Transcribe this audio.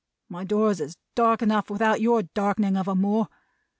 My doors is dark enough without your darkening of 'em more.